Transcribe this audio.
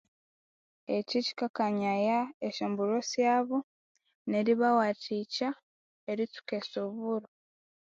Ekyi kyikakanyaya esyombulho syabo neribawathikya eritsuka esuburo.